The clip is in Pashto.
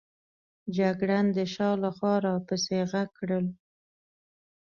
جګړن د شا له خوا را پسې ږغ کړل.